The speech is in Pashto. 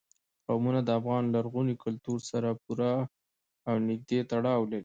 قومونه د افغان لرغوني کلتور سره پوره او نږدې تړاو لري.